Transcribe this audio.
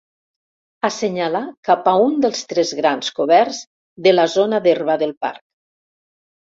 Assenyala cap a un dels tres grans coberts de la zona d'herba del parc.